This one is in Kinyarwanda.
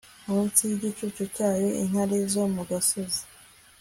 munsi y'igicucu cyayo intare zo mu gasozi